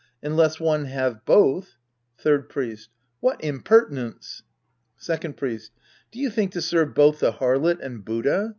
Unless one have both — Third Priest. What impertinence ! Second Priest. Do you think to serve both the harlot and Buddha